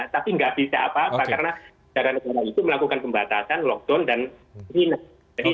tapi nggak bisa apa apa karena negara negara itu melakukan pembatasan lockdown dan china